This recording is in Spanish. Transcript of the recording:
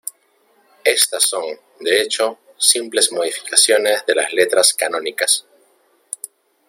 Estas son, de hecho, simples modificaciones de las letras canónicas.